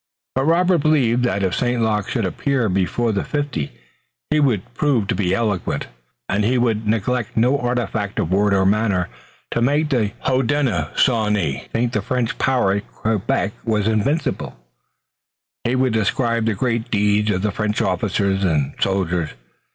But Robert believed that if St. Luc should appear before the fifty he would prove to be eloquent, and he would neglect no artifice of word and manner to make the Hodenosaunee think the French power at Quebec invincible. He would describe the great deeds of the French officers and soldiers.